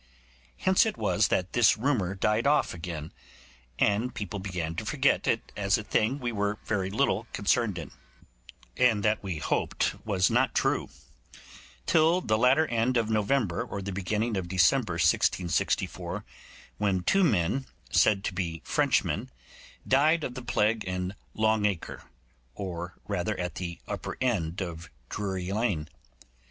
Hence it was that this rumour died off again, and people began to forget it as a thing we were very little concerned in, and that we hoped was not true; till the latter end of November or the beginning of December 1664 when two men, said to be Frenchmen, died of the plague in Long Acre, or rather at the upper end of Drury Lane.